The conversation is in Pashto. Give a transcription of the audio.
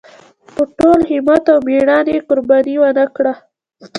په ټول همت او مېړانۍ یې قرباني ونکړه.